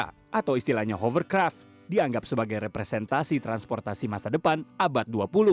atau istilahnya hovercraft dianggap sebagai representasi transportasi masa depan abad dua puluh